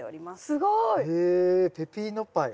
すごい！へえペピーノパイ。